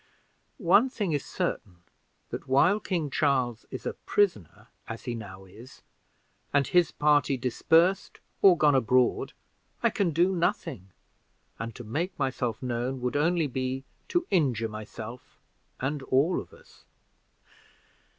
One thing is certain, that while King Charles is a prisoner, as he now is, and his party dispersed and gone abroad, I can do nothing, and to make myself known would only be to injure myself and all of us.